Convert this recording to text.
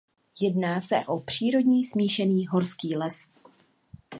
Jedná se o přírodní smíšený horský les.